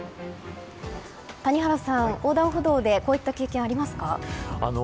谷原さん、横断歩道でこういった経験はありますか。